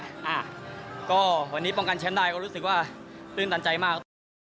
อ่าก็วันนี้ป้องกันเชียมได้ก็รู้สึกว่าตื่นตันใจมาก